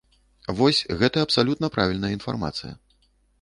Вось, гэта абсалютна правільная інфармацыя.